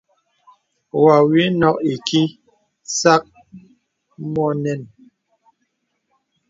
Wɔ wì nɔk ìkìì sàk mɔ nɛn.